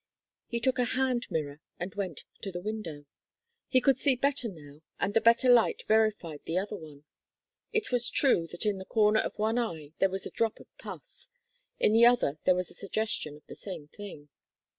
He took a hand mirror and went to the window. He could see better now, and the better light verified the other one. It was true that in the corner of one eye there was a drop of pus. In the other there was a suggestion of the same thing.